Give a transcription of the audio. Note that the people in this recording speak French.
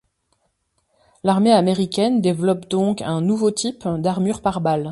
L'armée américaine développe donc un nouveau type d'armure pare-balles.